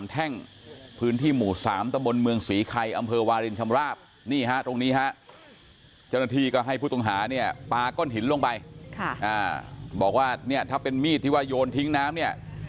เจ้าหน้าที่ก็ให้ผู้ตรงหาเนี่ยปลาก้อนหินลงไปบอกว่าเนี่ยถ้าเป็นมีดที่ว่ายนทิ้งน้ำเนี่ย